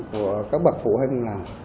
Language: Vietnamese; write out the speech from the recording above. của các bậc phụ huynh là